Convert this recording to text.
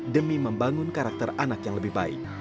demi membangun karakter anak yang lebih baik